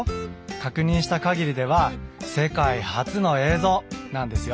確認した限りでは世界初の映像なんですよ。